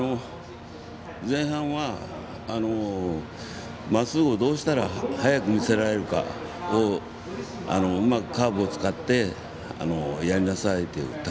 前半はまっすぐをどうしたら速く見せられるかをうまくカーブを使ってやりなさいという。